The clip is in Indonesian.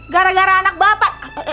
gara gara anak bapak